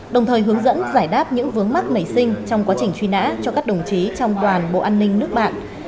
đồng thời hướng dẫn giải đáp những vướng mắc nảy sinh trong quá trình truy nã cho các đồng chí trong đoàn bộ an ninh nước bạn